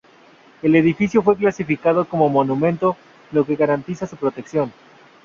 El edificio fue clasificado como monumento, lo que garantiza su protección.